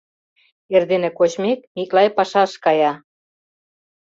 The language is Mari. Эрдене кочмек, Миклай пашаш кая.